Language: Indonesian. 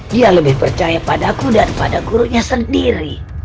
dia lebih percaya pada aku dan pada gurunya sendiri